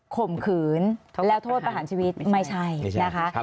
ข่มขืนแล้วโทษประหารชีวิตไม่ใช่นะคะ